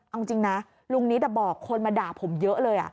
เอาจริงนะลุงนิดบอกคนมาด่าผมเยอะเลย